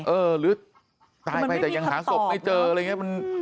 หรือตายไปแต่ยังหาศพไม่เจออะไรอย่างนี้